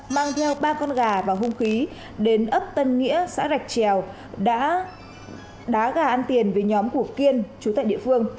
mang theo ba con gà vào hung khí đến ấp tân nghĩa xã rạch trèo đá gà ăn tiền với nhóm cục kiên trú tại địa phương